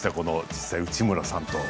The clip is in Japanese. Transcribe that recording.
実際内村さんと。